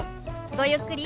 ごゆっくり。